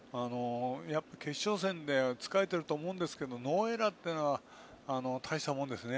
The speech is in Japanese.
決勝戦で疲れていると思いますがノーエラーというのはたいしたもんですね